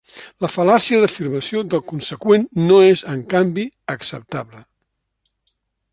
La fal·làcia d'afirmació del conseqüent no és, en canvi, acceptable.